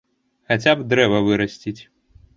Хаця б дрэва вырасціць.